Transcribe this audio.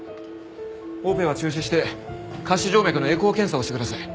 オペは中止して下肢静脈のエコー検査をしてください。